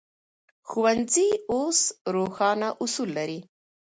ښوونځي اوس روښانه اصول لري.